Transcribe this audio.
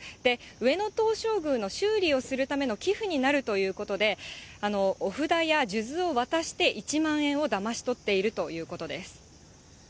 上野東照宮の修理をするための寄付になるということで、お札や数珠を渡して、１万円をだまし取っているということです。